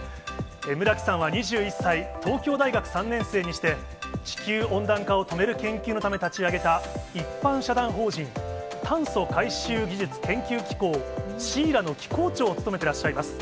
村木さんは２１歳、東京大学３年生にして、地球温暖化を止める研究のため立ち上げた、一般社団法人炭素回収技術研究機構・ＣＲＲＡの機構長を務めてらっしゃいます。